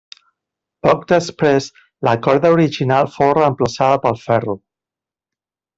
Poc després, la corda original fou reemplaçada pel ferro.